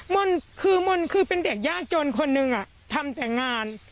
มนต์คือมนต์คือเป็นเด็กยากจนคนหนึ่งทำแต่งาน